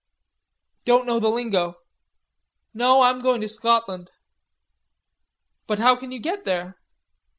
"Don't know the lingo. No, I'm going to Scotland." "But how can you get there?"